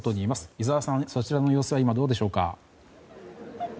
井澤さん、そちらの様子は今どうでしょうか？